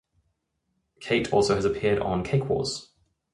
Cait has also appeared on "Cake Wars".